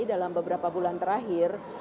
dalam beberapa bulan terakhir